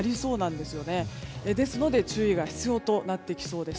ですので注意が必要となってきそうです。